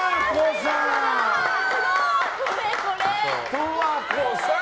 十和子さん！